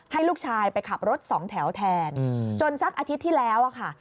ให้ลูกชายไปขับรถสองแถวแทนจนสักอาทิตย์ที่แล้วอะค่ะ